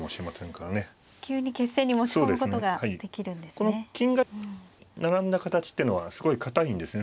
この金が並んだ形っていうのはすごい堅いんですね